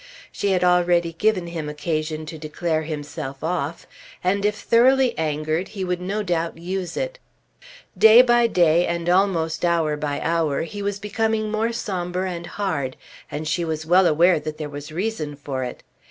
She had already given him occasion to declare himself off, and if thoroughly angered he would no doubt use it. Day by day, and almost hour by hour, he was becoming more sombre and hard, and she was well aware that there was reason for it.